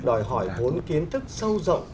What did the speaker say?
đòi hỏi vốn kiến thức sâu rộng